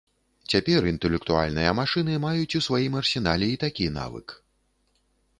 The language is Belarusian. Цяпер інтэлектуальныя машыны маюць у сваім арсенале і такі навык.